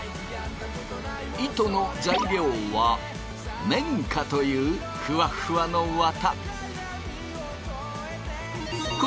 糸の材料は綿花というふわふわの綿。